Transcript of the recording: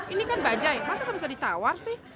ini kan bajaj masa gak bisa ditawar sih